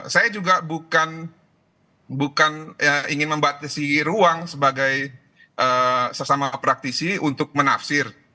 saya juga bukan ingin membatasi ruang sebagai sesama praktisi untuk menafsir